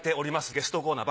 ゲストコーナー。